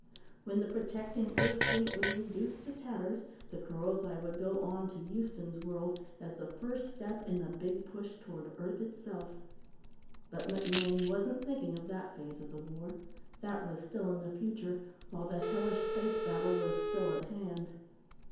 When the protecting Earth fleet was reduced to tatters, the Kerothi would go on to Houston's World as the first step in the big push toward Earth itself. But MacMaine wasn't thinking of that phase of the war. That was still in the future, while the hellish space battle was still at hand.